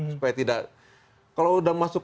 supaya tidak kalau sudah masuk